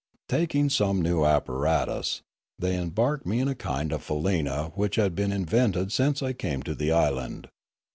Taking some new apparatus, they embarked me in a kind of 86 Limanora faleena which had been invented since I came to the island.